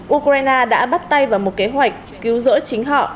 ukraine đã bắt tay vào một kế hoạch cứu dỡ chính họ